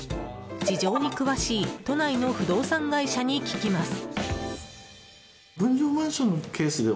事情に詳しい都内の不動産会社に聞きます。